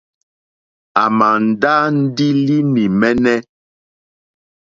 À màà ndá ndí línì mɛ́ɛ́nɛ́.